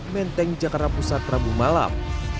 menteng jakarta pusat rabu malam